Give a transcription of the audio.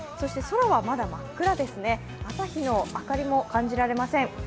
空はまだ真っ暗ですね、朝日の明かりも感じられません。